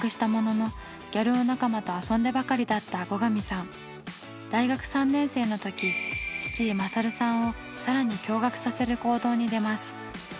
その後大学３年生の時父・勝さんをさらに驚がくさせる行動に出ます。